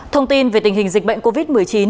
thông tin về tình hình dịch bệnh covid một mươi chín